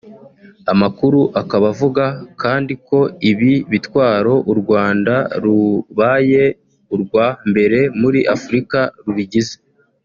Amakuru akaba avuga kandi ko ibi bitwaro u Rwanda rubaye urwa mbere muri Afurika rubigize